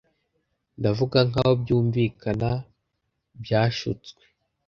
Ndavuga nkaho byumvikana byashutswe